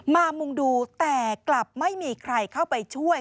มุ่งดูแต่กลับไม่มีใครเข้าไปช่วย